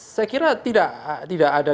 saya kira tidak ada